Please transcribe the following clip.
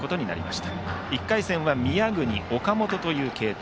１回戦は宮國、岡本という継投。